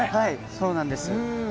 そうなんです。